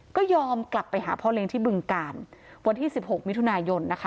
ก็ยอมกลับไปหาพ่อเลี้ยงที่บึงกาลวันที่สิบหกมิถุนายนนะคะ